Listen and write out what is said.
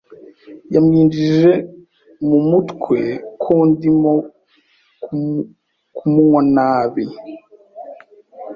Yamwinjije mumutwe ko ndimo kumunwa nabi.